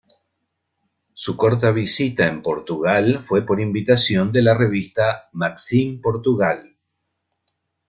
Su corta visita en Portugal fue por invitación de la revista "Maxim Portugal".